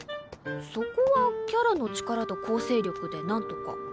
そこはキャラの力と構成力で何とか。